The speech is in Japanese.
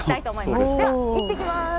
ではいってきます。